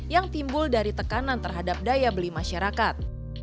yang timbul dari tekanan terhadap daya beli masyarakat